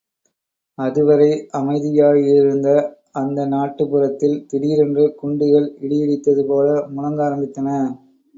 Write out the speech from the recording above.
அதுவரை அமைதியாயிருந்த அந்த நாட்டுப் புறத்தில் திடீரென்று குண்டுகள் இடி இடித்தது போல முழங்க ஆரம்பித்தன.